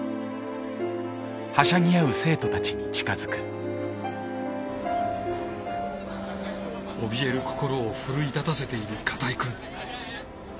おびえる心を奮い立たせている片居くん。